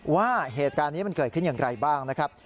ว่าเหตุการณ์นี้มันเกิดขึ้นอย่างไรบ้างนะครับ